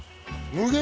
無限。